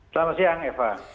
selamat siang eva